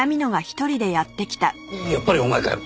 やっぱりお前かよ！